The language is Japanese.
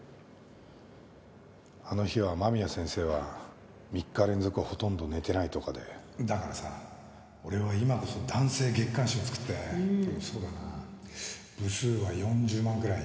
あの日は間宮先生は３日連続ほとんど寝てないとかでだからさ俺は今こそ男性月刊誌を作ってうーんそうだな部数は４０万ぐらい。